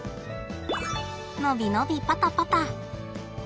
伸び伸びパタパタ。